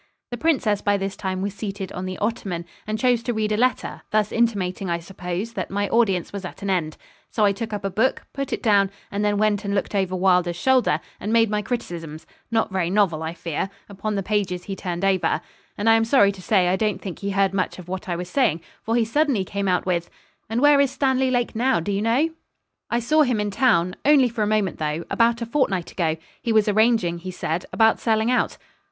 The princess by this time was seated on the ottoman, and chose to read a letter, thus intimating, I suppose, that my audience was at an end; so I took up a book, put it down, and then went and looked over Wylder's shoulder, and made my criticisms not very novel, I fear upon the pages he turned over; and I am sorry to say I don't think he heard much of what I was saying, for he suddenly came out with 'And where is Stanley Lake now, do you know?' 'I saw him in town only for a moment though about a fortnight ago; he was arranging, he said, about selling out.'